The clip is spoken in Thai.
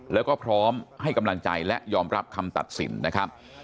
แล้วก็พร้อมให้กำลังใจและยอมรับคำตัดสินนะครับ